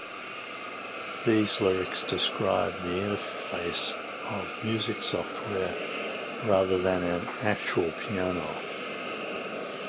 These lyrics describe the interface of music software, rather than an actual piano.